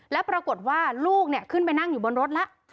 แล้วปรากฏว่าลูกขึ้นไปนั่งอยู่บนรถแล้ว